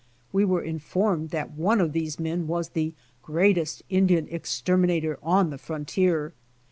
We were informed that one of these men was the greatest Indian exterminator on the frontier.